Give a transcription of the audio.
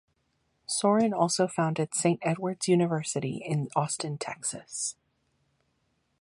Sorin also founded Saint Edward's University in Austin, Texas.